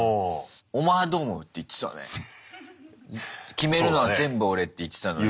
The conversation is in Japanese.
「決めるのは全部俺」って言ってたのに。